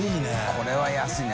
これは安いね。